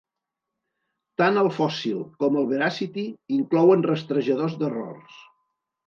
Tant el Fossil com el Veracity inclouen rastrejadors d'errors.